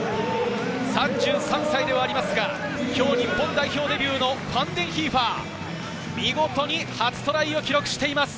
３３歳ではありますが、今日、日本代表デビューのファンデンヒーファー、見事に初トライを記録しています。